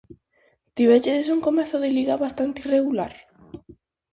Tivéchedes un comezo de liga bastante irregular?